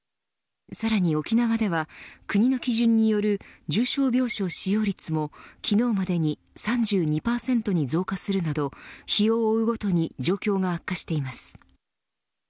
さらに沖縄では国の基準による重症病床使用率も昨日までに３２％に増加するなど日を追うごとに状況が悪化しています。